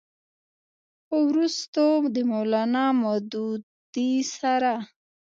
خو وروستو د مولانا مودودي سره